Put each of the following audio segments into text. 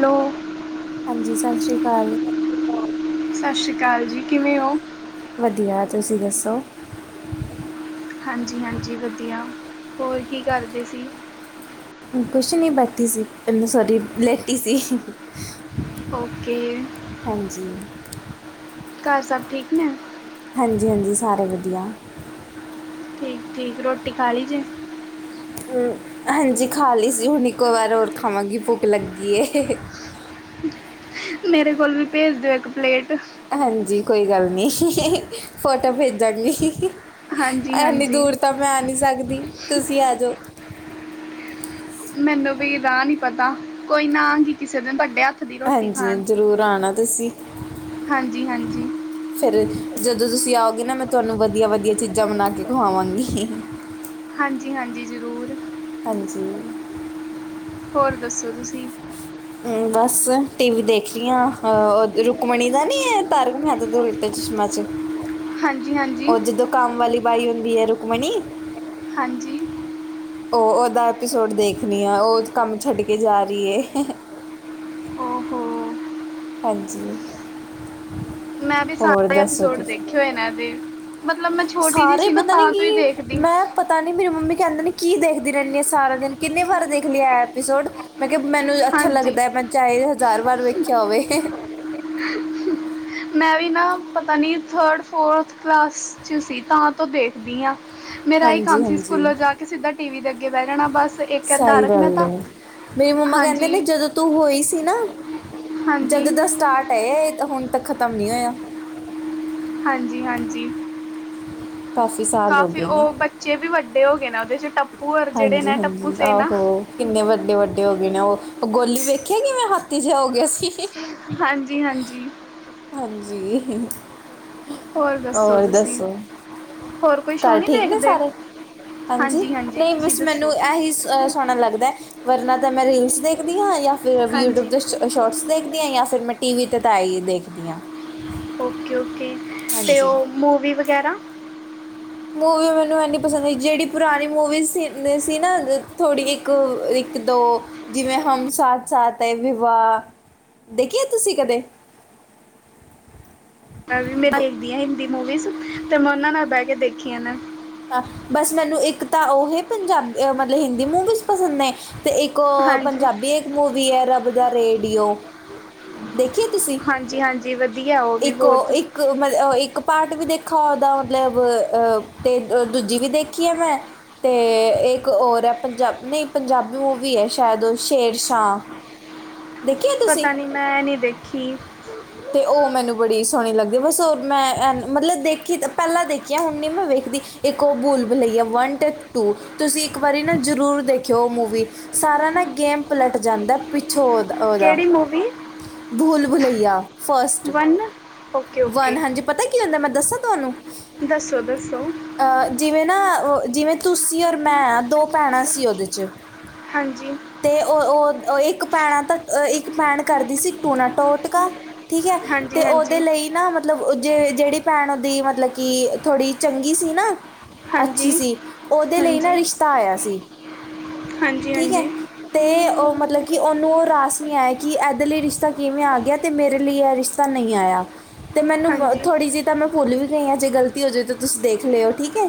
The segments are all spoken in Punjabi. ਹੈਲੋ ਹਾਂਜੀ, ਸਤਿ ਸ੍ਰੀ ਅਕਾਲ। ਸਤਿ ਸ਼੍ਰੀ ਅਕਾਲ ਜੀ, ਕਿਵੇਂ ਹੋ? ਵਧੀਆ ਤੁਸੀਂ ਦੱਸੋ? ਹਾਂਜੀ, ਹਾਂਜੀ ਵਧੀਆ ਹੋਰ ਕੀ ਕਰਦੇ ਸੀ? ਕੁਛ ਨਹੀਂ ਬੈਠੀ ਸੀ ਸੋਰੀ ਲੈਟੀ ਸੀ। ਓਕੇ, ਹਾਂਜੀ ਘਰ ਸਭ ਠੀਕ ਨੇ? ਹਾਂਜੀ, ਹਾਂਜੀ ਸਾਰੇ ਵਧੀਆ। ਠੀਕ, ਠੀਕ ਰੋਟੀ ਖਾ ਲਈ ਜੇ। ਹਮ ਹਾਂਜੀ ਖਾ ਲਈ ਸੀ। ਹੁਣ ਇੱਕੋ ਵਾਰ ਹੋਰ ਖਾਵਾਂਗੀ ਭੁਖ ਲੱਗੀ ਏ। ਮੇਰੇ ਕੋਲ ਵੀ ਭੇਜ ਦਿਓ ਇੱਕ ਪਲੇਟ। ਹਾਂਜੀ, ਕੋਈ ਗੱਲ ਨਹੀਂ ਫੋਟੋ ਭੇਜਾਂਗੀ। ਹਾਂਜੀ ਇਨੀ ਹਾਂਜੀ ਦੂਰ ਤਾਂ ਮੈਂ ਆ ਨਹੀਂ ਸਕਦੀ ਤੁਸੀਂ ਆ ਜਾਓ। ਮੈਨੂੰ ਵੀ ਰਾਹ ਨੀ ਪਤਾ ਕੋਈ ਨਾ ਕੀ ਕਿਸੇ ਦੇ ਵੱਡੇ ਹੱਥ। ਦੀ ਰੋਟੀ ਹਾਂਜੀ, ਖਾਣ ਜ਼ਰੂਰ ਆਣਾ ਤੁਸੀਂ। ਹਾਂਜੀ ਹਾਂਜੀ ਫਿਰ ਜਦੋਂ ਤੁਸੀਂ ਆਓਗੇ ਨਾ ਮੈਂ ਤੁਹਾਨੂੰ ਵਧੀਆ ਵਧੀਆ ਚੀਜ਼ਾਂ ਬਣਾ ਕੇ ਖਵਾਵਾਂਗੀ। ਹਾਂਜੀ, ਹਾਂਜੀ ਜ਼ਰੂਰ। ਹਾਂਜੀ। ਹੋਰ ਦੱਸੋ ਤੁਸੀਂ? ਹਮ ਬਸ ਟੀ ਵੀ ਦੇਖ ਰਹੀ ਆਂ ਆਹੋ ਰੁਕਮਣੀ ਦਾ ਨੀ ਏ ਤਾਰਕ ਮਹਿਤਾ ਦਾ ੳਲ ਚਛਮਾ ਚ [unintelligible] ਹਾਂਜੀ-ਹਾਂਜੀ ਉਹ ਜਦੋਂ ਕੰਮ ਵਾਲੀ ਬਾਈ ਹੁੰਦੀ ਹੈ ਰੁਕਮਣੀ ਹਾਂਜੀ ਉਹ ਉਹਦਾ ਐਪੀਸੋਡ ਦੇਖਣੀ ਆ ਉਹ ਕੰਮ ਛੱਡ ਕੇ ਜਾ ਰਹੀ ਹੈ। ਓਹੋ ਹਾਂਜੀ, ਹੋਰ ਦੱਸੋ ਤੁਸੀਂ? ਟ੍ਰੇਨ ਏ ਤੇ, ਮਤਲਬ ਮੈਂ ਛੋਟੀ ਜਿਹੀ ਸਾਰੇ ਸੀ ਨਾ ਪਤਾ ਨਹੀਂ ਤਾਂ ਤੋਂ ਹੀ ਕੀ ਦੇਖਦੀ ਮੈਂ ਪਤਾ ਨੀ ਮੇਰੀ ਮੰਮੀ ਕਹਿੰਦੇ ਨੇ ਕੀ ਦੇਖਦੀ ਰਹਿੰਦੀ ਏ ਸਾਰਾ ਦਿਨ ਕਿੰਨੇ ਵਾਰ ਦੇਖ ਲਿਆ ਐਪੀਸੋਡ। ਮੈਂ ਕਿਹਾ ਮੈਨੂੰ ਅੱਛਾ ਹਾਂਜੀ ਲੱਗਦਾ ਹੈ ਮੈਂ ਚਾਹੇ ਹਜ਼ਾਰ ਵਾਰ ਵੇਖਿਆ ਹੋਵੇ ਮੈਂ ਵੀ ਨਾ ਪਤਾ ਨਹੀਂ ਥਰਡ ਫੋਰਥ ਕਲਾਸ 'ਚ ਸੀ ਤਾਂ ਤੋਂ ਦੇਖਦੀ ਹਾਂ। ਮੇਰਾ ਏ ਹੀ ਹਾਂਜੀ ਕੰਮ ਸੀ ਹਾਂਜੀ ਸਕੂਲੋਂ ਜਾ ਕੇ ਸਿੱਧਾ ਟੀ ਵੀ ਦੇ ਅੱਗੇ ਬਹਿ ਜਾਣਾ ਬਸ ਇੱਕ ਇਹ ਸਹੀ ਤਾਰਕ ਗੱਲ ਮਹਿਤਾ ਏ, ਮੇਰੀ ਮੰਮਾ ਕਹਿੰਦੇ ਹਾਂਜੀ ਨੇ ਜਦੋਂ ਤੂੰ ਹੋਈ ਸੀ ਨਾ, ਹਾਂਜੀ ਜਦੋੰ ਦਾ ਸਟਾਰਟ ਹਾਏ ਇਹ ਤਾਂ ਹੁਣ ਤੱਕ ਖ਼ਤਮ ਨੀ ਹੋਇਆ। ਹਾਂਜੀ-ਹਾਂਜੀ, ਕਾਫੀ ਸਾਲ ਹੋ ਕਾਫੀ ਗਏ ਨੇ। ਉਹ ਬ ਚੇ ਵੀ ਵੱਡੇ ਹੋ ਗਏ ਨਾ ਉਹਦੇ ਚ ਟੱਪੂ ਔਰ ਜਿਹੜੇ ਨਾ ਟੱਪੂ ਹਾਂਜੀ-ਹਾਂਜੀ, ਸੇਨਾ ਆਹੋ ਕਿੰਨੇ ਵੱਡੇ-ਵੱਡੇ ਹੋ ਗਏ ਨਾ ਉਹ, ਉਹ ਗੋਲੀ ਵੇਖਿਆ ਕਿਵੇਂ ਹਾਥੀ ਜਿਹਾ ਹੋ ਗਿਆ ਸੀ ਹਾਂਜੀ-ਹਾਂਜੀ ਹਾਂਜੀ ਹੋਰ ਦੱਸੋ, ਹੋਰ ਕੋਈ ਸ਼ੋਅ ਘਰ ਨਹੀਂ ਠੀਕ ਨੇ ਦੇਖਦੇ ਸਾਰੇ? ਹਾਂਜੀ, ਨਹੀਂ ਬਸ ਮੈਨੂੰ ਇਹੀ ਸ-ਸੋਹਣਾ ਲੱਗਦਾ ਵਰਨਾ ਤਾਂ ਮੈਂ ਰੀਲਸ ਦੇਖਦੀ ਆਂ ਯਾਂ ਫਿਰ ਯੂਟਿਊਬ ਹਾਂਜੀ ਤੇ ਸ਼ੋਰਟਸ ਦੇਖਦੀ ਆਂ ਯਾਂ ਫਿਰ ਮੈਂ ਟੀ ਵੀ 'ਤੇ ਤਾਂ ਐਈ ਦੇਖਦੀ ਹਾਂ। ਓਕੇ-ਓਕੇ, ਤੇ ਹਾਂਜੀ। ਉਹ ਮੂਵੀ ਵਗੈਰਾ ਮੂਵੀ ਮੈਨੂੰ ਇੰਨੀ ਪਸੰਦ ਹੀ ਜਿੜੀ ਪੁਰਾਣੀ ਮੂਵੀ ਸੀ। ਨਹੀ ਸੀ ਨਾ ਥੋੜ੍ਹੀ ਇੱਕ, ਇੱਕ ਦੋ ਜਿਵੇਂ ਹਮ ਸਾਥ ਸਾਥ ਹੈ, ਵਿਵਾਹ ਦੇਖੀ ਏ ਤੁਸੀਂ ਕਦੇ? ਮੈਂ ਵੀ ਮੈਂ ਵ- ਦੇਖਦੀ ਆਂ ਹਿੰਦੀ ਮੂਵੀਜ਼ ਤੇ ਮੈਂ ਉਹਨਾਂ ਨਾਲ ਬਹਿ ਕੇ ਦੇਖੀਆਂ ਨੇ। ਹਾਂ, ਬਸ ਮੈਨੂੰ ਇੱਕ ਤਾਂ ਉਹੀ ਪੰਜਾਬ ਮਤਲਬ ਹਿੰਦੀ ਮੂਵੀਜ਼ ਪਸੰਦ ਨੇ ਤੇ ਇੱਕ ਉਹ ਹਾਂਜੀ ਪੰਜਾਬੀ ਇੱਕ ਮੂਵੀ ਐ ਰਬ ਦਾ ਰੇਡੀਓ। ਦੇਖੀ ਏ ਤੁਸੀਂ ਹਾਂਜੀ ਹਾਂਜੀ ਵਧੀਆ ਉਹ ਵੀ ਇੱਕ ਔ ਬਹੁਤ ਇੱਕ ਇੱਕ ਉਹ ਮਤਲ ਇੱਕ ਪਾਰਟ ਵੀ ਦੇਖਾ ਉਹਦਾ ਮਤਲਬ ਤੇ ਦ-ਦੂਜੀ ਵੀ ਦੇਖੀ ਐ ਮੈਂ ਤੇ ਇੱਕ ਔਰ ਹੈ ਪੰਜਾਬ ਨਹੀਂ ਪੰਜਾਬੀ ਮੂਵੀ ਏ ਸ਼ਾਇਦ ਉਹ ਸ਼ੇਰ ਸ਼ਾਹ। ਦੇਖੀ ਹੈ ਤੁਸੀਂ ਪਤਾ ਨੀ ਮੈਂ ਨੀ ਦੇਖੀ। ਤੇ ਉਹ ਮੈਨੂੰ ਬੜੀ ਸੋਹਣੀ ਲੱਗਦੀ ਬਸ ਔ ਮੈਂ ਐਨ ਮਤਲਬ ਦੇਖੀ ਤ ਪਹਿਲਾਂ ਦੇਖੀ ਐ ਹੁਣ ਨੀ ਮੈਂ ਵੇਖਦੀ। ਇੱਕ ਉਹ ਭੁੱਲ-ਭੁਲੱਈਆ ਵੰਨ ਤੇ ਟੂ ਤੁਸੀਂ ਇੱਕ ਵਾਰੀ ਨਾ ਜ਼ਰੂਰ ਦੇਖਿਓ ਉਹ ਮੂਵੀ। ਸਾਰਾ ਨਾ ਗੇਮ ਪਲਟ ਜਾਂਦਾ ਪਿੱਛੋਂ ਓਹਦਾ। ਓਹਦਾ, ਕਿਹੜੀ movie Bhool Bhulaiyaa first. One okay one ਹਾਂਜੀ ਪਤਾ ਕੀ ਹੁੰਦਾ ਮੈਂ ਦੱਸਾਂ ਤੁਹਾਨੂੰ ਦੱਸੋ-ਦੱਸੋ ਅਹ ਜਿਵੇਂ ਨਾ ਉਹ ਜਿਵੇਂ ਤੁਸੀਂ ਔਰ ਮੈਂ ਦੋ ਭੈਣਾਂ ਸੀ ਉਹਦੇ ਚ ਹਾਂਜੀ ਤੇ ਉਹ-ਉਹ, ਉਹ ਇੱਕ ਭੈਣਾ ਤਾਂ ਅਹ ਇੱਕ ਭੈਣ ਕਰਦੀ ਸੀ ਟੂਣਾ ਟੋਟਕਾ ਠੀਕ ਹੈ ਹਾਂਜੀ ਤੇ ਉਹਦੇ ਹਾਂਜੀ ਲਈ ਨਾ ਮਤਲਬ ਉਹ ਜੇ-ਜਿਹੜੀ ਭੈਣ ਉਹਦੀ ਮਤਲਬ ਕਿ ਥੋੜ੍ਹੀ ਚੰਗੀ ਸੀ ਨਾ ਅੱਛੀ ਹਾਂਜੀ ਸੀ, ਉਹਦੇ ਲਈ ਨਾ ਹਾਂਜੀ ਹਾਂਜੀ ਰਿਸ਼ਤਾ ਆਇਆ ਸੀ, ਠੀਕ ਹੈ। ਹਾਂਜੀ ਤੇ ਉਹ ਮਤਲਬ ਕਿ ਉਹਨੂੰ ਉਹ ਰਾਸ ਨਹੀਂ ਆਇਆ ਕਿ ਇਹਦੇ ਲਈ ਰਿਸ਼ਤਾ ਕਿਵੇਂ ਆ ਗਿਆ ਤੇ ਮੇਰੇ ਲਈ ਇਹ ਰਿਸ਼ ਤਾਂ ਨਹੀਂ ਆਇਆ ਤੇ ਮੈਨੂੰ ਹਾਂਜੀ ਥੋੜ੍ਹੀ ਜਿਹੀ ਤਾਂ ਮੈਂ ਭੁੱਲ ਵੀ ਗਈ ਹਾਂ ਜੇ ਗ਼ਲਤੀ ਹੋ ਜਾਵੇ ਤਾਂ ਤੁਸੀਂ ਦੇਖ ਲਿਓ ਠੀਕ ਹੈ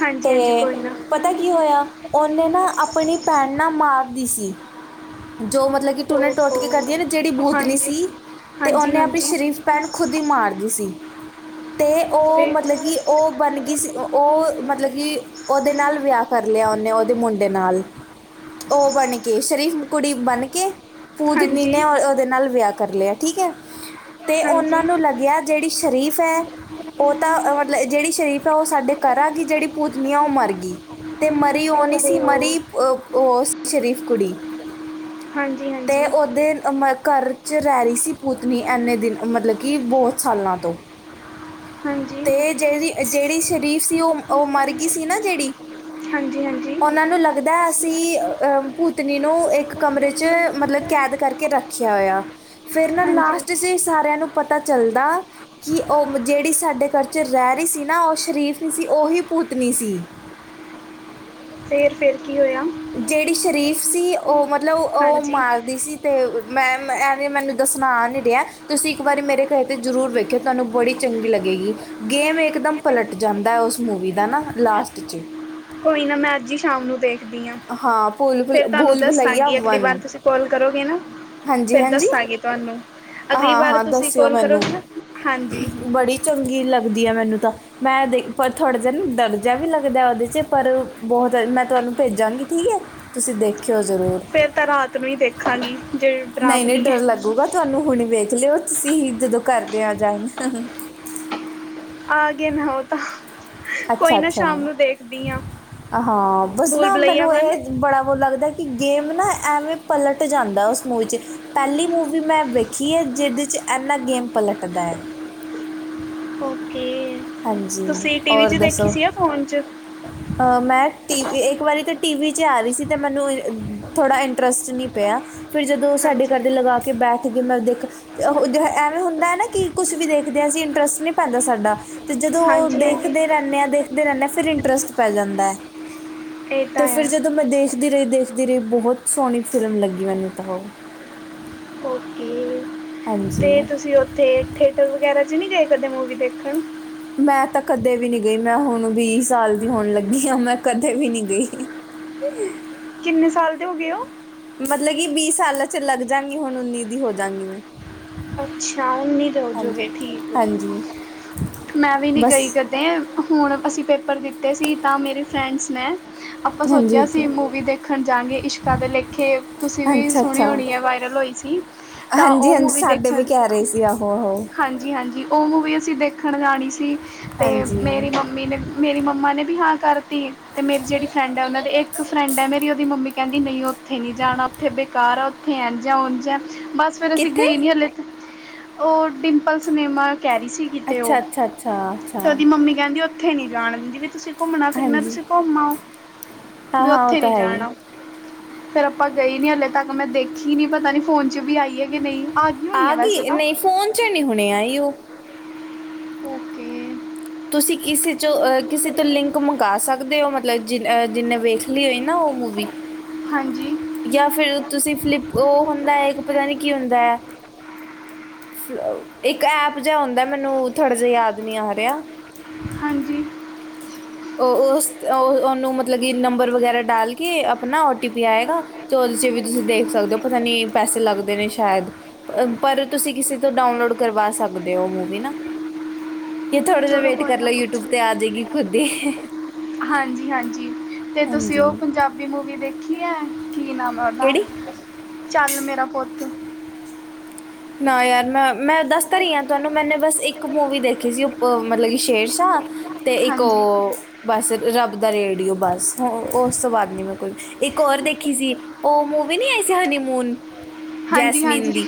ਹਾਂਜੀ ਹਾਂਜੀ ਤੇ ਕੋਈ ਨਾ ਪਤਾ ਕੀ ਹੋਇਆ ਉਹਨੇ ਨਾ ਆਪਣੀ ਭੈਣ ਨਾ ਮਾਰਦੀ ਸੀ ਜੋ ਮਤਲਬ ਟੂਨ ਟੋਟ ਕੇ ਕਰਦੀਆਂ ਨਾ ਜਿਹੜੀ ਓਹੋ ਬੂਤ ਨ ਹਾਂਜੀ ਸੀ ਤੇ ਹਾਂਜੀ ਉਹਨੇ ਆਪਣੀ ਹਾਂਜੀ ਸ਼ਰੀਫ ਪੈਨ ਖੁਦ ਹੀ ਮਾਰਦੀ ਸੀ ਅਤੇ ਉਹ ਫਿਰ ਮਤਲਬ ਕਿ ਉਹ ਬਣ ਗਈ ਸੀ ਉਹ ਮਤਲਬ ਕਿ ਉਹਦੇ ਨਾਲ ਵਿਆ ਕਰ ਲਿਆ ਉਹਨੇ ਉਹਦੇ ਮੁੰਡੇ ਨਾਲ ਹ [unintelligible] ਬ ਕੇ ਸ਼ਰੀਫ ਕੁੜੀ ਬਣ ਕੇ ਪੂਦਨੀ ਹਾਂਜੀ ਨੇ ਉਹਦੇ ਨਾਲ ਵਿਆਹ ਕਰ ਲਿਆ ਠੀਕ ਹੈ ਅਤੇ ਉਹਨਾਂ ਹਾਂਜੀ ਨੂੰ ਲੱਗਿਆ ਜਿਹੜੀ ਸ਼ਰੀਫ ਹੈ ਉਹ ਤਾਂ ਮਤਲਬ ਜਿਹੜੀ ਸ਼ਰੀਫ ਆ ਉਹ ਸਾਡੇ ਕਰਰਾਂਗੀ ਜਿਹੜੀ ਪੂਤਨੀ ਆ ਉਹ ਮਰ ਗਈ ਅਤੇ ਮਰੀ ਓਣੀ ਸੀ ਉਹਦੇ ਉਹ ਮਰੀ ਓ ਸੀ ਸ਼ਰੀਫ ਕੁੜੀ ਹਾਂਜੀ ਹਾਂਜੀ ਅਤੇ ਉਹਦੇ ਘਰ 'ਚ ਰੈਰੀ ਸੀ ਪੂਤਨੀ ਐਨੇ ਦਿਨ ਮਤਲਬ ਕਿ ਬਹੁਤ ਸਾਲਾਂ ਤੋਂ ਹਾਂਜੀ ਅਤੇ ਜਿਹੜੀ ਜਿਹੜੀ ਸ਼ਰੀਫ ਸੀ ਉਹ ਉਹ ਮਰ ਗਈ ਸੀ ਨਾ ਜਿਹੜੀ ਹਾਂਜੀ ਹਾਂਜੀ ਉਹਨਾਂ ਨੂੰ ਲੱਗਦਾ ਅਸੀਂ ਭੂਤਨੀ ਨੂੰ ਇੱਕ ਕਮਰੇ 'ਚ ਮਤਲਬ ਕੈਦ ਕਰਕੇ ਰੱਖ ਰਖਿਆ ਹੋਇਆ ਫੇਿਰ ਨਾ ਹਾਂਜੀ ਲਾਸਟ ਚ ਇਹ ਸਾਰਿਆਂ ਨੂੰ ਪਤਾ ਚੱਲਦਾ ਕਿ ਉਹ ਜਿਹੜੀ ਸਾਡੇ ਘਰ 'ਚ ਰਹਿ ਰਹੀ ਸੀ ਨਾ ਉਹ ਸ਼ਰੀਫ ਨਹੀਂ ਸੀ ਉਹੀ ਪੂਤਨੀ ਸੀ ਫੇਿਰ ਫੇਰ ਕੀ ਹੋਇਆ ਜਿਹੜੀ ਸ਼ਰੀਫ਼ ਸੀ ਉਹ ਮਤਲਬ ਉਹ ਹਾਂਜੀ ਮਾਰਦੀ ਸੀ ਤੇ ਮੈਂ ਇਹ ਮੈਨੂੰ ਦੱਸਣਾ ਆ ਨੀ ਰਿਹਾ ਤੇ ਤੁਸੀਂ ਇੱਕ ਵਾਰੀ ਮੇਰੇ ਘਰੇ ਤੇ ਜਰੂਰ ਵੇਖ ਕਿਖ ਤੁਹਾਨੂੰ ਬੜੀ ਚੰਗੀ ਲੱਗੇਗੀ ਗੇਮ ਇੱਕਦਮ ਪਲਟ ਜਾਂਦਾ ਉਸ ਮੂਵੀ ਦਾ ਨਾ ਲਾਸਟ 'ਚ ਕੋਈ ਨਾ ਮੈਂ ਅੱਜ ਹੀ ਸ਼ਾਮ ਨੂੰ ਦੇਖਦੀ ਹਾਂ ਭੂਲ ਭੁਲ ਫੇਰ ਤੁਹਾਨੂੰ ਭੂਲ ਭੁਲਈਆ ਦੱਸਾਂਗੀ ਅਗਲੀ ਵਾਰ ਤੁਸੀਂ ਕਾਲ ਕਰੋਗੇ ਨਾ ਹਾਂਜੀ ਫਿਰ ਹਾਂਜੀ ਦੱਸਾਂਗੇ ਤੁਹਾਨੂੰ ਅਗਲੀ ਹਾਂ ਵਾਰ ਹਾਂ ਤੁਸੀਂ ਦੱਸਿਓ ਕੋਾਲ ਕਰੋ ਮੈਨੂੰ ਹਾਂਜੀ ਬੜੀ ਚੰਗੀ ਲੱਗਦੀ ਹੈ ਮੈਨੂੰ ਤਾਂ ਮੈਂ ਦੇ ਪਰ ਥੋੜ੍ਹਾ ਜਿਹਾ ਦਰਜਿਹਾ ਵੀ ਲੱਗਦਾ ਉਹਦੇ 'ਚ ਪਰ ਬਹੁਤ ਮੈਂ ਤੁਹਾਨੂੰ ਭੇਜਾਂਗੀ ਠੀਕ ਹੈ ਤੁਸੀਂ ਦੇਖਿਓ ਜ਼ਰੂਰ ਫਿਰ ਤਾਂ ਰਾਤ ਨੂੰ ਹੀ ਦੇਖਾਂਗੀ ਜਿਹੜੀ ਨਹੀਂ ਨਹੀਂ ਡਰਾਵਨੀ ਹੈ ਡਰ ਲੱਗੂਗਾ ਤੁਹਾਨੂੰ ਹੁਣੇ ਵੇਖ ਲਿਓ ਤੁਸੀਂ ਹੀ ਜਦੋਂ ਕਰਦੇ ਆ ਜਾਣ ਆ ਗਿਆ ਮੈਂ ਹੋ ਤਾਂ ਅੱਛਾ ਕੋਈ ਨਾ ਅੱਛਾ ਸ਼ਾਮ ਨੂੰ ਦੇਖਦੀ ਹਾਂ ਹਾਂ ਬੱਸ ਭੂਲ ਨਾ ਭੁਲੱਈਆ ਮੈਨੂੰ ਵਨ ਇਹ ਬੜਾ ਵ ਲੱਗਦਾ ਕਿ ਗੇਮ ਨਾ ਐਵੇਂ ਪਲਟ ਜਾਂਦਾ ਉਸ ਮੂੰਹ 'ਚ ਪਹਿਲੀ ਮੂਵੀ ਮੈਂ ਵੇਖੀ ਹੈ ਜਿਹਦੇ 'ਚ ਇੰਨਾ ਗੇਮ ਪਲਟਦਾ ਹੈ ਓਕੇ ਹਾਂਜੀ ਤੁਸੀਂ ਟੀਵ ਔਰ ਚ ਦੇਖੀ ਦੱਸੋ ਸੀ ਆ ਫੋਨ ਚ ਮੈਂ ਟੀਵ ਇੱਕ ਵਾਰੀ ਤਾਂ ਟੀ ਵੀ 'ਚ ਆ ਰਹੀ ਸੀ ਅਤੇ ਮੈਨੂੰ ਇ ਥੋੜ੍ਹਾ ਇੰਟਰਸਟ ਨਹੀਂ ਪਿਆ ਫਿਰ ਜਦੋਂ ਸਾਡੇ ਹਾਂਜੀ ਘਰਦੇ ਲਗਾ ਕੇ ਬੈਠ ਗਏ ਮੈਂ ਦੇਖ ਜਿ ਐਵੇਂ ਹੁੰਦਾ ਨਾ ਕਿ ਕੁਛ ਵੀ ਦੇਖਦੇ ਹਾਂ ਅਸੀ ਇੰਟਰਸਟ ਨਹੀਂ ਪੈਂਦਾ ਸਾਡਾ ਅਤੇ ਜਦੋਂ ਉਹ ਹਾਂਜੀ ਹਾਂਜੀ ਦੇਖਦੇ ਰਹਿੰਦੇ ਹਾਂ ਦੇਖਦੇ ਰਹਿੰਦੇ ਹਾਂ ਫਿਰ ਇੰਟਰਸਟ ਪੈ ਜਾਂਦਾ ਹੈ ਇਹ ਤੇ ਤਾਂ ਫਿਰ ਹੈ ਜਦੋਂ ਮੈਂ ਦੇਖਦੀ ਰਹੀ ਦੇਖਦੀ ਰਹੀ ਬਹੁਤ ਸੋਹਣੀ ਫਿਲਮ ਲੱਗੀ ਮੈਨੂੰ ਤਾਂ ਉਹ ਓਕੇ ਤੇ ਹਾਂਜੀ ਤੁਸੀਂ ਉੱਥੇ ਥੀਏਟਰ ਵਗੈਰਾ ਚ ਨਹੀਂੀ ਗਏ ਕਦੇ ਮੂਵੀ ਦੇਖਣ ਮੈਂ ਤਾਂ ਕਦੇ ਵੀ ਨਹੀਂੀ ਗਈ ਮੈਂ ਹੁਣ ਵੀਹ ਸਾਲ ਦੀ ਹੋਣ ਲੱਗੀ ਹਾਂ ਮੈਂ ਕਦੇ ਵੀ ਨਹੀਂੀ ਗਈ ਕਿ [unintelligible] ਕਿੰਨੇ ਸਾਲ ਦੇ ਹੋ ਗਏ ਹੋ ਮਤਲਬ ਕਿ ਵੀਹ ਸਾਲਾਂ ਚ ਲੱਗ ਜਾਂਗੀ ਹੁਣ ਉੱਨੀ ਦੀ ਹੋਜਗੀ ਮੈਂ ਅੱਛਾ, ਇਣੀ ਹੀਂ ਜ਼ਲ ਹਾਂਜੀ ਜਾਓਗੇ ਠੀਕ, ਹਾਂਜੀ ਮੈਂ ਵੀ ਨਹੀਂ ਬਸ ਗਈ ਕਦੇ। ਐ, ਹੁਣ ਅਸੀਂ ਪੇਪਰ ਦਿੱਤੇ ਸੀ, ਤਾਂ ਮੇਰੇ ਫਰੈਂਡਸ ਨੇ ਆਪਾਂ ਹਾਂਜੀ ਸੋਚਿਆ ਹਾਂਜੀ ਸੀ, ਮੂਵੀ ਦੇਖਣ ਜਾਂਗੇ। 'ਇਸ਼ਕਾ ਦੇ ਲੇਖੇ' ਤੁਸੀਂ ਵੀ ਅੱਛਾ ਸੁਣੀ ਅੱਛਾ ਹੋਣੀ ਹੈ, ਵਾਇਰਲ ਹੋਈ। ਛਿਵ [unintelligible] ਹਾਂਜੀ- ਹਾਂਜੀ ਸਾਡੇ ਵੀ ਕਹਿ ਰਹੇ ਸੀ ਆਹੋ- ਆਹੋ। ਹਾਂਜੀ- ਹਾਂਜੀ ਉਹ ਮੂਵੀ ਅਸੀਂ ਦੇਖਣ ਜਾਣੀ ਸੀ ਅਤੇ ਹਾਂਜੀ ਮੇਰੀ ਮੰਮੀ ਨੇ ਮੇਰੀ ਮੰਮਾ ਨੇ ਵੀ ਹਾਂ ਕਰਤੀ ਤੇ ਮੇਰੀ ਜਿਹੜੀ ਫਰੈਂਡ ਹੈ ਉਹਨਾਂ ਦੇ ਇੱਕ ਇੱਕ ਫਰੈਂਡ ਹੈ ਮੇਰੀ ਉਹਦੀ ਮੰਮੀ ਕਹਿੰਦੀ ਨਹੀਂ ਉੱਥੇ ਨਹੀਂ ਜਾਣਾ ਉੱਥੇ ਬੇਕਾਰ ਹੈ ਉੱਥੇ ਇੰਝ-ਉਂਝ ਹੈ ਬੱਸ ਫਿਰ ਅਸੀਂ ਕਿੱਥੇ ਗਏ ਨਹੀਂ ਹਲੇ ਉਹ ਡਿੰਪਲ ਸਿਨੇਮਾ ਕਹਿ ਰਹੀ ਸੀ। ਕਿਤੇ ਅੱਛਾ- ਉਹ ਅੱਛਾ- ਅੱਛਾ। ਅੱਛਾ ਤੇ ਉਹਦੀ ਮੰਮੀ ਕਹਿੰਦੀ ਉੱਥੇ ਨਹੀਂ ਜਾਣ ਦਿੰਦੀ ਜੇ ਤੁਸੀਂ ਘੁੰਮਣਾ-ਫਿਰਣਾ ਹੈ ਤਾਂ ਹਾਂਜੀ ਤੁਸੀਂ ਘੁੰਮ ਆਓ। ਹਾਂ ਵੀ ਹਾਂ ਉਹ ਉੱਥੇ ਤਾਂ ਨਹੀਂ ਹੈ ਹੀ ਜਾਣਾ। ਫਿਰ ਆਪਾਂ ਗਏ ਨਹੀਂ ਹਲੇ ਤੱਕ ਮੈਂ ਦੇਖੀ ਨਹੀਂ ਪਤਾ ਨਹੀ ਫ਼ੋਨ 'ਚ ਵੀ ਆਈ ਹੈ ਕਿ ਨਹੀਂ ਆ ਗਈ ਹੋਣੀ ਹੈ ਆ ਵੈਸੇ ਗਈ ਤਾਂ ਨਹੀ ਫ਼ੋਨ 'ਚ ਨਹੀਂ ਹੁਣੇ ਆਈ ਉਹ ਓਕੇ [inaudible] ਤੁਸੀ ਕਿਸੇ 'ਚੋ ਅ ਕਿਸੇ ਤੋਂ ਲਿੰਕ ਮੰਗਾ ਸਕਦੇ। ਸਕਦੇ ਹੋ ਮਤਲਬ ਜਿਹ ਜਿਹਨੇ ਵੇਖ ਲਈ ਹੋਈ ਨਾ ਉਹ ਮੂਵੀ ਹਾਂਜੀ ਜਾਂ ਫਿਰ ਤੁਸੀਂ ਫਲਿੱਪ ਉਹ ਹੁੰਦਾ ਹੈ ਇੱਕ ਪਤਾ ਨਹੀਂ ਕੀ ਹੁੰਦਾ ਹੈ। ਇੱਕ ਐਪ ਜਿਹਾ ਹੁੰਦਾ ਮੈਨੂੰ ਥੋੜ੍ਹਾ ਜਿਹਾ ਯਾਦ ਨਹੀਂ ਆ ਰਿਹਾ। ਹਾਂਜੀ ਉਹ ਉਸ ਉਹ ਉਹਨੂੰ ਮਤਲਬ ਕਿ ਨੰਬਰ ਵਗੈਰਾ ਡਾਲ ਕੇ ਆਪਣਾ ਓ ਟੀ ਪੀ ਆਏਗਾ। ਤੋ ਉਹਦੇ 'ਚ ਵੀ ਤੁਸੀਂ ਦੇਖ ਸਕਦੇ ਹੋ ਪਤਾ ਨਹੀਂ ਪੈਸੇ ਲੱਗਦੇ ਨੇ ਸ਼ਾਇਦ ਪਰ- ਪਰ ਤੁਸੀਂ ਕਿਸੇ ਤੋਂ ਡਾਊਨਲੋਡ ਕਰਵਾ ਸਕਦੇ ਹੋ ਮੂਵੀ ਨਾ ਕਿ ਥੋੜ੍ਹਾ ਜਿਹਾ ਚਲੋ ਵੇਟ ਕੋਈ ਕਰ ਨਾ ਲਓ ਯੂਟਿਊਬ ਤੇ ਆ ਜਾਏਗੀ ਖੁਦ ਹੀ [inaudible] ਹਾਂਜੀ-ਹਾਂਜੀ ਤੇ ਤੁਸੀਂ ਹਾਂਜੀ ਉਹ ਪੰਜਾਬੀ ਮੂਵੀ ਦੇਖੀ ਹੈ ਕੀ ਨਾਮ ਹਨਾ ਕਿਹੜੀ ਚੱਲ ਮੇਰਾ ਪੁੱਤ ਨਾ ਯਾਰ ਮੈਂ- ਮੈਂ ਦੱਸ ਤਾਂ ਰਹੀ ਹਾਂ ਤੁਹਾਨੂੰ ਮੈਂਨੇ ਬਸ ਇੱਕ ਮੂਵੀ ਦੇਖੀ ਸੀ ਉ ਮਤਲਬ ਕਿ 'ਸ਼ੇਰਸ਼ਾਹ' ਤੇ ਇੱਕ ਹਾਂਜੀ ਉਹ ਬਸ 'ਰੱਬ ਦਾ ਰੇਡੀਓ' ਬਸ ਉਸ ਤੋਂ ਬਾਅਦ ਮੈਂ ਨਹੀਂ ਕੋਈ ਇੱਕ ਹੋਰ ਦੇਖੀ ਸੀ। ਉਹ ਮੂਵੀ ਨਹੀਂ ਆਈ ਸੀ 'ਹਨੀਮੂਨ' ਹਾਂਜੀ ਜੈਸਮੀਨ ਹਾਂਜੀ ਦੀ।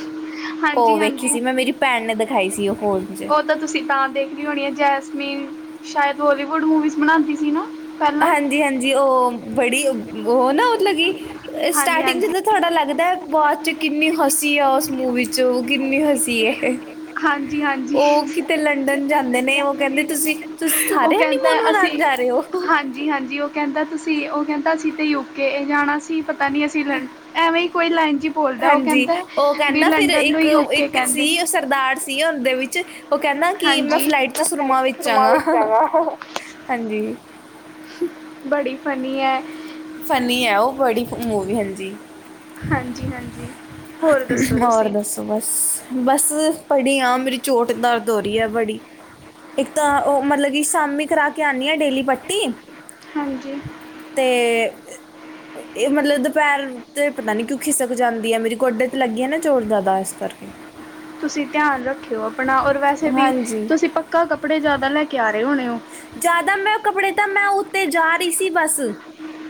ਉਹ ਹਾਂਜੀ ਵੇਖੀ ਹਾਂਜੀ ਸੀ ਮੈਂ ਮੇਰੀ ਭੈਣ ਨੇ ਦਿਖਾਈ ਸੀ ਉਹ ਫ਼ੋਨ 'ਚ ਤ ਤੁਸੀਂ ਤਾਂ ਦੇਖੀ ਹੋਣੀ ਹੈ ਜੈਸਮੀਨ ਸ਼ਾਇਦ ਬਲੀਵੁੱਡ ਮੂਵੀਜ਼ ਬਨਾਉਂਦੀ ਸੀ ਨਾ। ਪਹਿਲਾਂ ਹਾਂਜੀ- ਹਾਂਜੀ ਉਹ ਬੜੀ ਵੋ ਨਾ ਮਤਲਬ ਕੀ ਹਾਂਜੀ ਸਟਾਰਟਿੰਗ ਹਾਂਜੀ 'ਚ ਥੋੜ੍ਹਾ ਲੱਗਦਾ ਬਾਅਦ 'ਚ ਕਿੰਨੀ ਹੱਸੀ ਆ ਉਸ ਮੂਵੀ 'ਚ ਉਹ ਕਿੰਨੀ ਹੱਸੀ ਹੈ ਇਹ ਹਾਂਜੀ ਹਾਂਜੀ ਉਹ ਕਿਤੇ ਲੰਡਨ ਜਾਂਦੇ ਨੇ ਉਹ ਕਹਿੰਦੇ ਤੁਸੀ ਤੁਸੀ ਉਹ ਸਾਰੇ ਕਹਿੰਦਾ ਹਨੀਮੂਨ ਮਨਾਉਣ ਅਸੀਂ ਜਾ ਰਹੇ ਹੋ। [inaudible] ਹਾਂਜੀ- ਹਾਂਜੀ ਉਹ ਕਹਿੰਦਾ ਤੁਸੀਂ ਉਹ ਕਹਿੰਦਾ ਸੀ ਤੇ ਯੂਕੇ ਜਾਣਾ ਸੀ ਪਤਾ ਨਹੀਂ ਅਸੀਂ ਐਵੇਂ ਹੀ ਕੋਈ ਲਾਈਨ ਜਿਹੀ ਬੋਲਦਾ ਉਹ ਹਾਂਜੀ ਕਹਿੰਦਾ ਉਹ ਲੰਡਨ ਨੂੰ ਯੂਕੇ ਕਹਿੰਦੇ। ਕਿਰਦਾਰ ਸੀ ਉਹਦੇ ਵਿੱਚ ਉਹ ਕਹਿੰਦਾ ਕਿ ਮੈਂ ਹਾਂਜੀ ਫਲਾਈਟ 'ਚ ਸੁਰਮਾ ਫਿਲਮਾਂ ਵੇਚਾਗਾ ਵਿੱਚ ਹੈਗਾ [inaudible] ਹਾਂਜੀ। [inaudible] ਬੜੀ ਫਨੀ ਹੈ। ਫੰਨੀ ਹੈ ਉਹ ਬੜੀ ਮੂਵੀ ਹਾਂਜੀ। ਹਾਂਜੀ- ਹਾਂਜੀ ਹੋਰ ਦੱਸੋ ਹੋਰ ਤੁਸੀਂ ਦੱਸੋ ਬਸ- ਬਸ ਪੜ੍ਹੀ ਆਂ ਮੇਰੀ ਚੋਟ ਦਰਦ ਹੋ ਰਹੀ ਹੈ ਬੜੀ ਇੱਕ ਤਾਂ ਉਹ ਮਤਲਬ ਸ਼ਾਮੀਂ ਕਰਾ ਕੇ ਆਉਣੀ ਆਂ ਡੇਲੀ ਪੱਟੀ ਹਾਂਜੀ ਤੇ ਇਹ ਮਤਲਬ ਦੁਪਹਿਰ ਤੇ ਪਤਾ ਨੀ ਕਿਉਂ ਖਿਸਕ ਜਾਂਦੀ ਹੈ ਮੇਰੀ ਗੋਡ ਲੱਗੀ ਨਾ ਚੋਟ ਜ਼ਿਆਦਾ ਇਸ ਕਰਕੇ ਤੁਸੀਂ ਧਿਆਨ ਰੱਖਿਓ ਆਪਣਾ ਔਰ ਵੈਸੇ ਵੀ ਹਾਂਜੀ ਤੁਸੀਂ ਪੱਕਾ ਕੱਪੜੇ ਜਿਆਦਾ ਲੈ ਕੇ ਆ ਰਹੇ ਹੋਣੇ ਹੋ। ਜ਼ਿਆਦਾ ਮੈਂ ਕੱਪੜੇ ਤਾਂ ਮੈਂ ਉੱਤੇ ਜਾ ਰਹੀ ਸੀ ਬਸ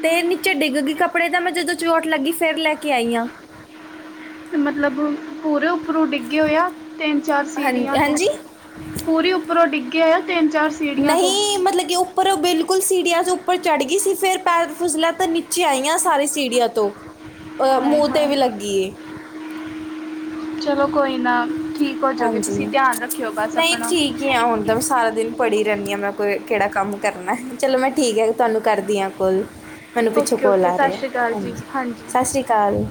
ਤੇ ਨੀਚੇ ਡਿੱਗ ਗਈ ਕੱਪੜੇ ਤਾਂ ਮੈਂ ਜਦੋਂ ਚੋਟ ਲੱਗੀ ਫੇਰ ਲੈ ਕੇ ਆਈ ਆਂ। ਮਤਲਬ ਪੂਰੇ ਉੱਪਰੋਂ ਡਿੱਗੇ ਹੋਏਆ ਤਿੰਨ ਚਾਰ ਸ ਹਾਂ ਸੀੜੀਆਂ ਤੋਂ ਹਾਂਜੀ ਪੂਰੀ ਉੱਪਰੋਂ ਡਿੱਗਿਆ ਆ ਤਿੰਨ ਚਾਰ ਸੀੜੀਆਂ ਤੋਂ ਨਹੀਂ ਮਤਲਬ ਕਿ ਉਹ ਪਰ ਉਹ ਬਿਲਕੁਲ ਸੀੜੀਆਂ ਤੋਂਚ ਉੱਪਰ ਚੜ੍ਹ ਗਈ ਸੀ ਫਿਰ ਪੈਰ ਫਸਲਾਂ ਤਾਂ ਨੀਚੇ ਆਈਆਂ ਸਾਰੀ ਸੀੜੀਆਂ ਤੋਂ ਹ [inaudible] ਅ ਮੂੰਹ ਤੇ ਵੀ ਲੱਗੀ ਏ ਚਲੋ ਕੋਈ ਨਾ ਠੀਕ ਹੋ ਜਾੋਗੇ ਤੁਸੀਂ ਧਿਆਨ ਰੱਖਿਓ ਬਸ ਆਪਣਾ ਕਿ ਹ ਹੁੰਦਾ ਮੈਂ ਸਾਰਾ ਦਿਨ ਪੜ੍ਹ ਹੀ ਰਹਿੰਦੀ ਹਾਂ ਮ ਕੋਈ ਕਿਹੜਾ ਕੰਮ ਕਰਨਾ ਚਲੋ ਮੈਂ ਠੀਕ ਹੈ ਤੁਹਾਨੂੰ ਕਰਦੀ ਹਾਂ ਕੋਲ ਮੈਨੂੰ ਪਿੱਛੋਂ ਓਕੇ ਕੋਲ ਓਕੇ ਆ ਸਤਿ ਰਿਹਾ ਸ਼੍ਰੀ ਅਕਾਲ ਜੀ ਹਾਂਜੀ ਸਤਿ ਸ੍ਰੀ ਅਕਾਲ